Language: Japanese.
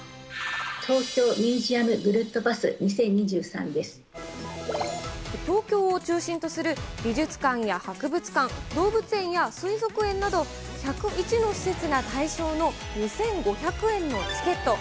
東京・ミュージアムぐるっと東京を中心とする美術館や博物館、動物園や水族園など、１０１の施設が対象の２５００円のチケット。